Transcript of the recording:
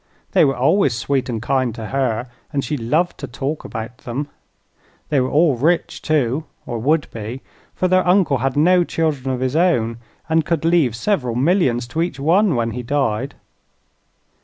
They were always sweet and kind to her and she loved to talk about them. They were all rich, too, or would be; for their uncle had no children of his own and could leave several millions to each one when he died.